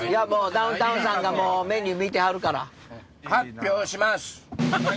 ダウンタウンさんがメニュー見てはるから。